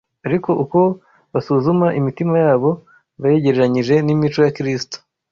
ariko uko basuzuma imitima yabo bayigereranyije n’imico ya Kristo